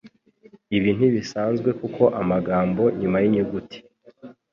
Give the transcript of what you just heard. Ibi ntibisanzwe kuko amagambo nyuma yinyuguti